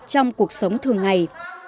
trong cuộc sống thường ngày